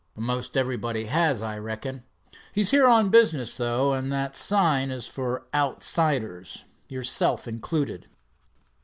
"Most everybody has, I reckon. He's here on business though, and that sign is for outsiders, yourself included."